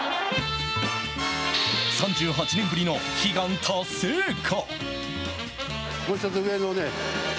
３８年ぶりの悲願達成か。